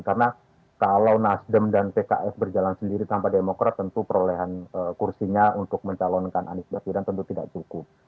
karena kalau nasdem dan pks berjalan sendiri tanpa demokrat tentu perolehan kursinya untuk mencalonkan anis batu dan tentu tidak cukup